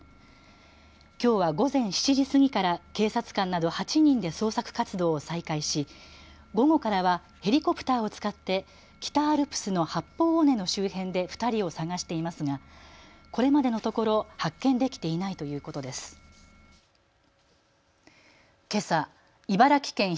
きょうは午前７時過ぎから警察官など８人で捜索活動を再開し午後からはヘリコプターを使って北アルプスの八方尾根の周辺で２人を捜していますが、これまでのところ、発見できていないということです。